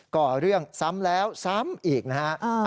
ก่อเรื่องซ้ำแล้วซ้ำอีกนะฮะ